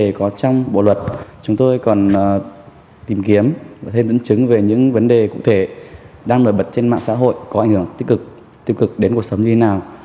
những cái vấn đề có trong bộ luật chúng tôi còn tìm kiếm và thêm dẫn chứng về những vấn đề cụ thể đang nổi bật trên mạng xã hội có ảnh hưởng tích cực tích cực đến cuộc sống như thế nào